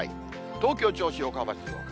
東京、銚子、横浜、静岡。